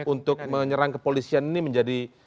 untuk menyerang kepolisian ini